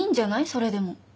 それでも。